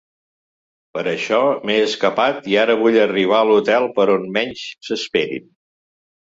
Per això m'he escapat i ara vull arribar a l'hotel per on menys s'esperin.